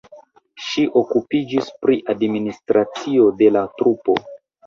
Ŝi okupiĝis pri administracio de la trupo.